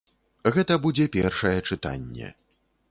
Гэта будзе першае чытанне.